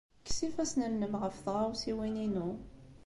Kkes ifassen-nnem ɣef tɣawsiwin-inu!